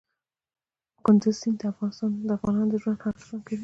کندز سیند د افغانانو ژوند اغېزمن کوي.